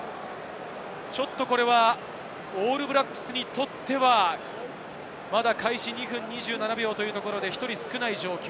ちょっとこれは、オールブラックスにとってはまだ開始２分２７秒で、１人少ない状況。